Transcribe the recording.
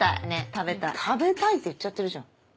「食べたい」って言っちゃってるじゃん。